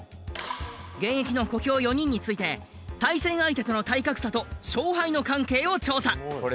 現役の小兵４人について対戦相手との体格差と勝敗の関係を調査。